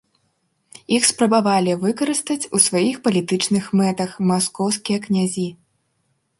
Іх спрабавалі выкарыстаць у сваіх палітычных мэтах маскоўскія князі.